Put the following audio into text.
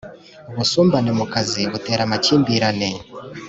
Ubusumbane mu kazi butera amakimbirane.